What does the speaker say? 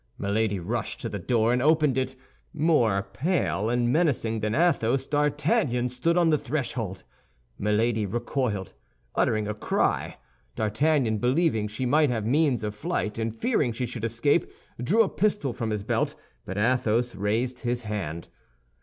Milady rushed to the door and opened it. More pale and menacing than Athos, D'Artagnan stood on the threshold. Milady recoiled, uttering a cry. D'Artagnan, believing she might have means of flight and fearing she should escape, drew a pistol from his belt; but Athos raised his hand.